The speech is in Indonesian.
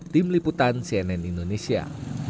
tim liputan cnn indonesia